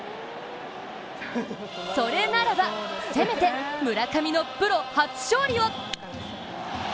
それならばせめて村上のプロ初勝利を！